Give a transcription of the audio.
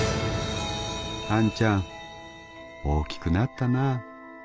『あんちゃん大きくなったなぁ。